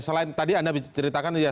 selain tadi anda ceritakan